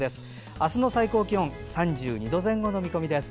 明日の最高気温は３２度前後の見込みです。